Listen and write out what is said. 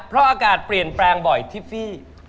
เพราะอากาศเปลี่ยนแปลงบ่อยทิฟฟี่